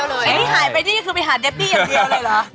ไอ้ที่หายไปนี่คือไปหาเดปบี้อย่างเดียวเลยเหรอ